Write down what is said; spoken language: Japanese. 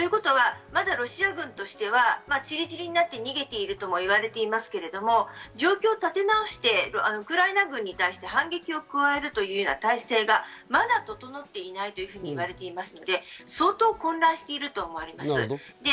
ということは、まだロシア軍としてはちりじりになって逃げているともいわれていますけれども、状況を立て直して、ウクライナ軍に対して反撃を加えるというような体制がまだ整っていないというふうに言われています。